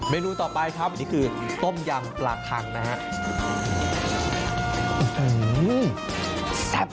นูต่อไปครับนี่คือต้มยำปลาคังนะครับ